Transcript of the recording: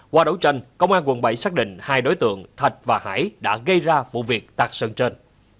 qua đấu tranh công an quận bảy xác định hai đối tượng thạch và hải đã gây ra vụ việc tạt sơn trên